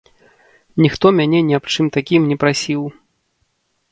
Ніхто мяне ні аб чым такім не прасіў.